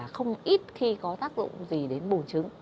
không ít khi có tác dụng gì đến bùn trứng